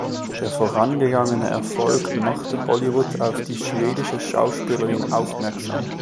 Der vorangegangene Erfolg machte Hollywood auf die schwedische Schauspielerin aufmerksam.